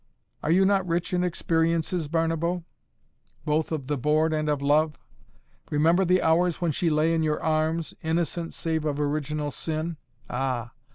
Are you not rich in experiences, Barnabo, both of the board and of love? Remember the hours when she lay in your arms, innocent, save of original sin? Ah!